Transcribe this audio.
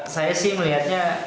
saya sih melihatnya